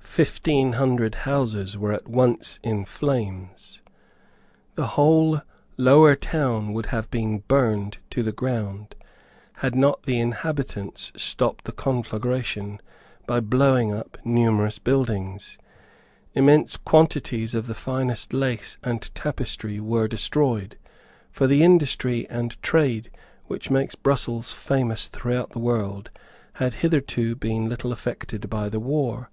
Fifteen hundred houses were at once in flames. The whole lower town would have been burned to the ground, had not the inhabitants stopped the conflagration by blowing up numerous buildings. Immense quantities of the finest lace and tapestry were destroyed; for the industry and trade which made Brussels famous throughout the world had hitherto been little affected by the war.